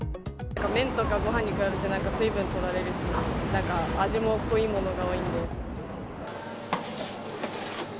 麺とかごはんに比べて、なんか水分取られるし、なんか味も濃いものが多いんで。